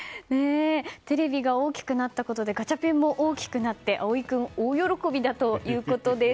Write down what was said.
テレビが大きくなったことでガチャピンも大きくなって葵君、大喜びだということです。